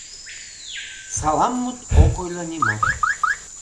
«Салам» мут ок ойло нимат.